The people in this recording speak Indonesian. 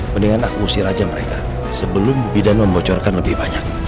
mendingan aku usir aja mereka sebelum bu bidan membocorkan lebih banyak